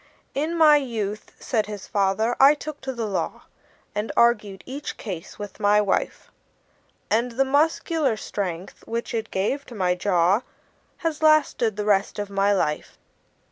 "In my youth," said his father, "I took to the law, And argued each case with my wife; And the muscular strength, which it gave to my jaw, Has lasted the rest of my life."